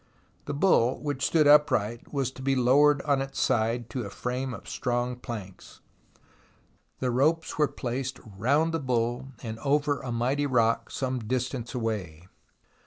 The bull, which stood upright, was to be lowered on its side to a frame of strong planks. The ropes were placed round the bull, and over a mighty rock some distance away.